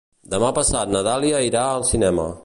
Demà passat na Dàlia irà al cinema.